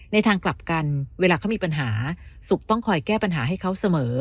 ในทางกลับกันเวลาเขามีปัญหาสุขต้องคอยแก้ปัญหาให้เขาเสมอ